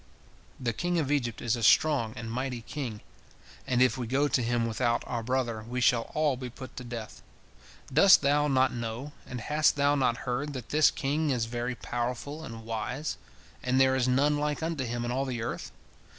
The king of Egypt is a strong and mighty king, and if we go to him without our brother, we shall all be put to death. Dost thou not know, and hast thou not heard, that this king is very powerful and wise, and there is none like unto him in all the earth?